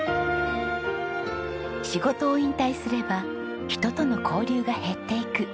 仕事を引退すれば人との交流が減っていく。